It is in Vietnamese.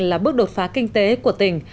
là bước đột phá kinh tế của tỉnh